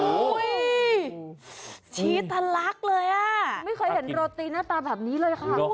ชี้ทะลักเลยอ่ะไม่เคยเห็นโรตีหน้าตาแบบนี้เลยค่ะ